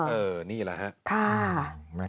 เออนี่แหละฮะ